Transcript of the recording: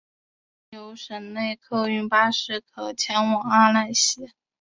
有省内客运巴士可前往阿讷西。